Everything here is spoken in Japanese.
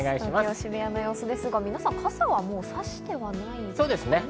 渋谷の様子ですが、皆さん、傘はもう差してはいないですね。